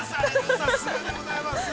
さすがでございます。